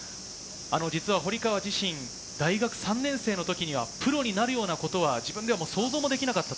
堀川自身、大学３年生の時にはプロになるようなことは、自分では想像もできなかった。